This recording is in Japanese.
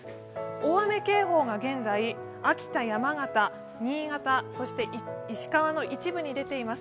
大雨警報が現在、秋田、山形、新潟、そして石川の一部に出ています。